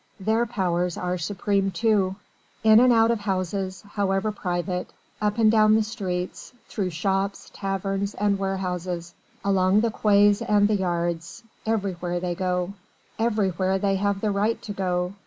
Their powers are supreme too. In and out of houses however private up and down the streets through shops, taverns and warehouses, along the quays and the yards everywhere they go. Everywhere they have the right to go!